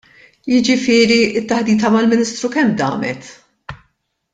Jiġifieri t-taħdita mal-Ministru kemm damet?